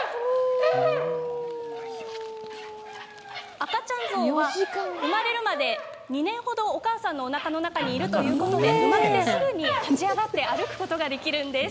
赤ちゃんゾウは生まれるまで２年ほどお母さんのおなかの中にいるということで生まれてすぐに立ち上がって歩くことができるんです。